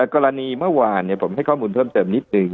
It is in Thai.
กรณีเมื่อวานผมให้ข้อมูลเพิ่มเติมนิดนึง